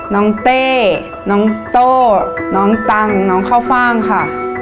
เต้น้องโต้น้องตังน้องข้าวฟ่างค่ะ